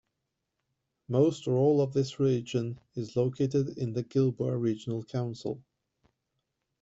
Most or all of this region is located in the Gilboa Regional Council.